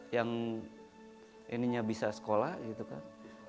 yang ininya bisa sekolah gitu kan